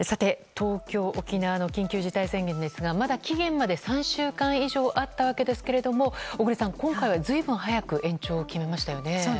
東京、沖縄の緊急事態宣言ですがまだ期限まで３週間以上あったわけですけれども小栗さん、今回は随分早く延長を決めましたよね。